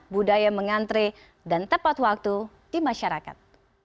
budaya mengantre dan tepat waktu di masyarakat